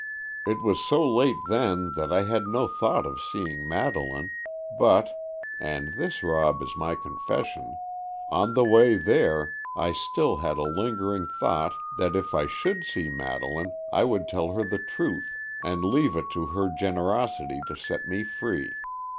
It was so late then that I had no thought of seeing Madeleine, but—and this, Rob, is my confession—on the way there, I still had a lingering thought that if I should see Madeleine I would tell her the truth, and leave it to her generosity to set me free.